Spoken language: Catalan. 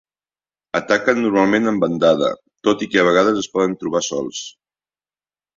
Ataquen normalment en bandada, tot i que a vegades es poden trobar sols.